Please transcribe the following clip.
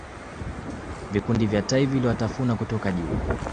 Vikundi vya tai viliwafuata kutoka juu